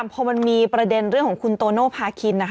พอมันมีประเด็นเรื่องของคุณโตโนภาคิน